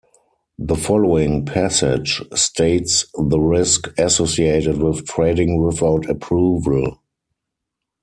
The following passage states the risk associated with trading without approval.